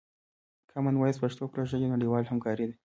کامن وایس پښتو پروژه یوه نړیواله همکاري ده.